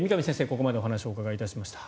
ここまでお話をお伺いしました。